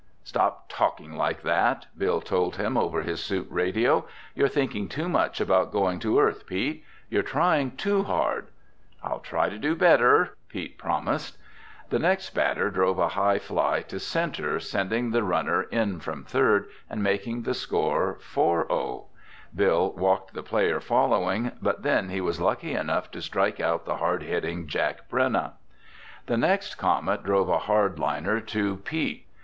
"Stop talking like that!" Bill told him over his suit radio. "You're thinking too much about going to Earth, Pete. You're trying too hard!" "I'll try to do better," Pete promised. The next batter drove a high fly to center, sending the runner in from third and making the score 4 0. Bill walked the player following, but then he was lucky enough to strike out the hard hitting Jack Brenna. The next Comet drove a hard liner to Pete.